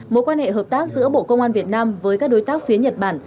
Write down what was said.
mối quan hệ hợp tác giữa bộ công an việt nam với các đối tác phía nhật bản